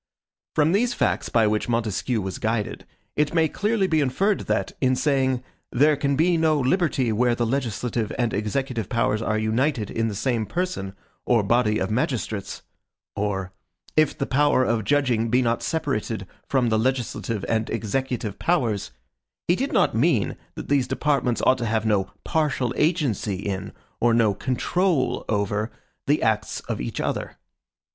From these facts, by which Montesquieu was guided, it may clearly be inferred that, in saying "There can be no liberty where the legislative and executive powers are united in the same person, or body of magistrates," or, "if the power of judging be not separated from the legislative and executive powers," he did not mean that these departments ought to have no PARTIAL AGENCY in, or no CONTROL over, the acts of each other.